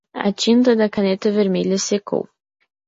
A tinta da caneta vermelha secou.